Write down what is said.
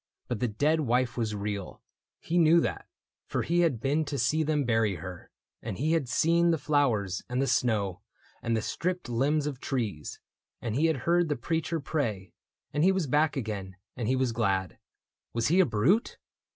... But the dead wife Was real : he knew that, for he had been To see them bury her ; and he had seen The flowers and the snow and the stripped limbs Of trees ; and he had heard the preacher pray ; And he was back again, and he was glad. Was he a brute